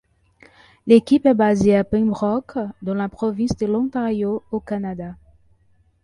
L'équipe est basée à Pembroke dans la province de l'Ontario au Canada.